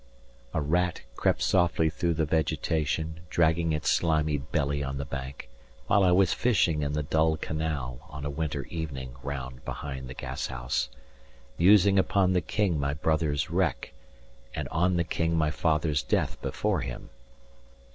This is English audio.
A rat crept softly through the vegetation Dragging its slimy belly on the bank While I was fishing in the dull canal On a winter evening round behind the gashouse. 190 Musing upon the king my brother's wreck And on the king my father's death before him.